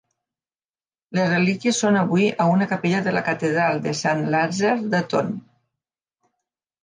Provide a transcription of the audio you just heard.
Les relíquies són avui a una capella de la catedral de Saint-Lazare d'Autun.